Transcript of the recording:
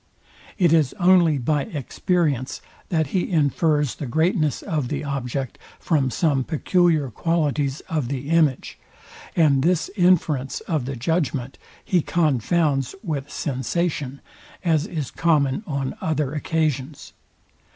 It is only by experience that he infers the greatness of the object from some peculiar qualities of the image; and this inference of the judgment he confounds with sensation, as is common on other occasions.